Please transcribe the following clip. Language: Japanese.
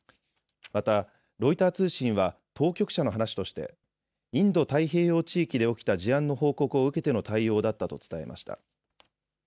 また、ロイター通信は当局者の話としてインド太平洋地域で起きた事案の報告を受けての対応だったと伝えました。